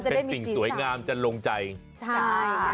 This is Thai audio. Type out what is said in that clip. เป็นสิ่งสวยงามจะลงใจใช่